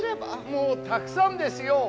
もうたくさんですよ。